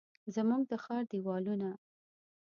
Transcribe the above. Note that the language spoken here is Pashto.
زموږ د ښار دیوالونه،